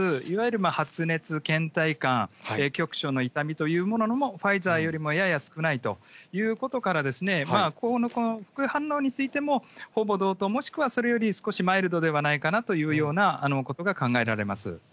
いわゆる発熱、けん怠感、局所の痛みというものもファイザーよりもやや少ないということから、副反応についても、ほぼ同等、もしくはそれより少しマイルドではないかなというようなことが考